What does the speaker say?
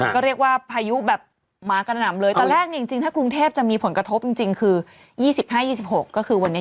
ก็เรียกว่าพายุแบบมากันอำเลยตอนแรกนี้ถ้าคลุงเทพจะมีผลกระทบจริงคือ๒๕๒๖ก็คือวันนี้๒๕๒๖๕